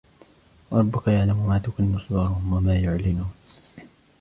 وَرَبُّكَ يَعْلَمُ مَا تُكِنُّ صُدُورُهُمْ وَمَا يُعْلِنُونَ